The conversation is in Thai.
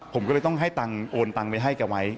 ผมก็เลยต้องให้ตังค์โอนตังไปให้แกไว้